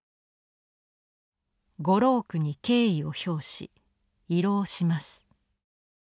「御労苦に敬意を表し慰労します」。